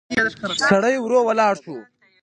سړی ورو ولاړ شو.